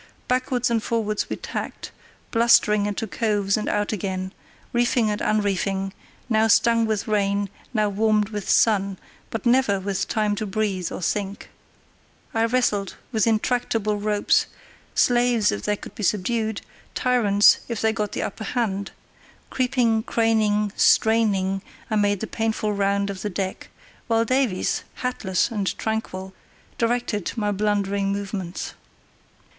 Backwards and forwards we tacked, blustering into coves and out again, reefing and unreefing, now stung with rain, now warmed with sun, but never with time to breathe or think. I wrestled with intractable ropes, slaves if they could be subdued, tyrants if they got the upper hand; creeping, craning, straining, I made the painful round of the deck, while Davies, hatless and tranquil, directed my blundering movements.